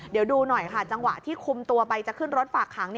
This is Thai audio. เดี๋ยวดูหน่อยค่ะจังหวะที่คุมตัวไปจะขึ้นรถฝากขัง